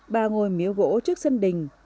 ba ngôi miếu gỗ trước sân đình